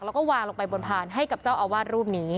แล้วก็วางลงไปบนพานให้กับเจ้าอาวาสรูปนี้